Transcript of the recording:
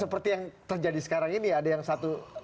seperti yang terjadi sekarang ini ada yang satu